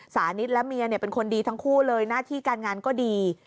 สานิทและเมียเป็นคนดีทั้งคู่เลยหน้าที่การงานก็ดี